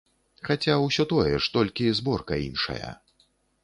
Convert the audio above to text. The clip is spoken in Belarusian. Хаця ўсё тое ж, толькі зборка іншая.